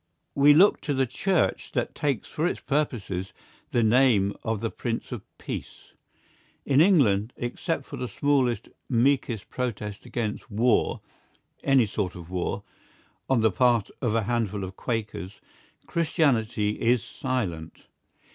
We look to the Church that takes for its purposes the name of the Prince of Peace. In England, except for the smallest, meekest protest against war, any sort of war, on the part of a handful of Quakers, Christianity is silent.